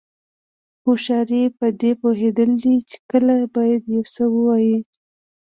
هوښیاري پدې پوهېدل دي چې کله باید یو څه ووایو.